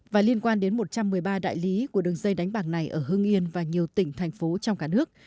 và liên quan đến một trăm một mươi ba đại lý của đường dây đánh bạc này ở hưng yên và nhiều tỉnh thành phố trong cả nước